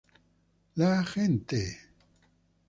La gente.